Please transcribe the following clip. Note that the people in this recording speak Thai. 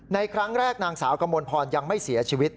ในครั้งแรกนางสาวกมลพรยังไม่เสียชีวิต